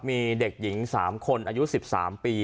มีเด็กหญิง๓คนอายุ๑๓ปี